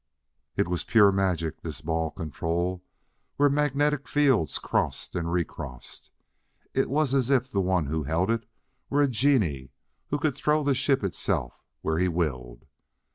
It was pure magic, this ball control, where magnetic fields crossed and recrossed; it was as if the one who held it were a genie who could throw the ship itself where he willed.